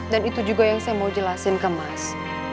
dan itu juga yang saya mau jelasin ke mas